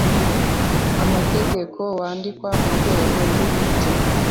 amategeko wandikwa mu rwego rw imiti